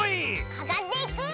かかっていく！